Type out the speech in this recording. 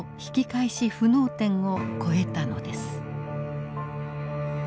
不能点を越えたのです。